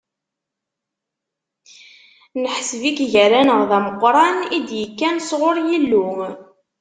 Neḥseb-ik gar-aneɣ d ameqran i d-ikkan sɣur Yillu.